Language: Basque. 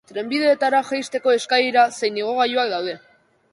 Trenbideetara jaisteko eskailera zein igogailuak daude.